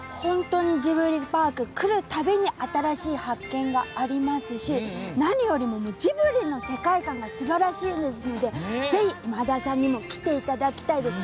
ジブリパーク、来る度に新しい発見がありますし何よりも、ジブリの世界観がすばらしいのでぜひ今田さんにも来ていただきたいです。